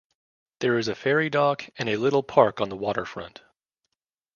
There is a ferry dock and a little park on the waterfront.